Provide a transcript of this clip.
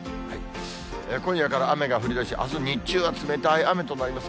今夜から雨が降りだし、あす日中は冷たい雨となります。